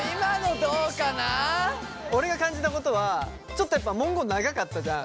俺が感じたことはちょっとやっぱ文言長かったじゃん？